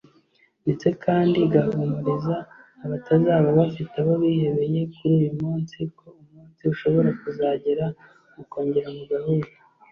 ndetse kandi igahumuriza abatazaba bafite abo bihebeye kuri uyu munsi ko umunsi ushobora kuzagera mukongera mugahura